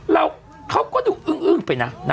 เราก็ดูอื้งไปนั่งไว้อย่างงั้น